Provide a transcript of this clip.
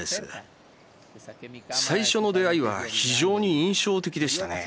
最初の出会いは非常に印象的でしたね。